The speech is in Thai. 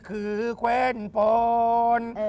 คือเว้นพร